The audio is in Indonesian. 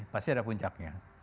pasti ada puncaknya